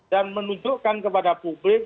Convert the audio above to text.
dan menunjukkan kepada publik